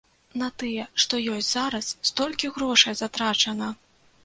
На тыя, што ёсць зараз столькі грошай затрачана!